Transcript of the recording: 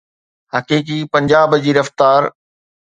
حقيقي پنجاب جي رفتار.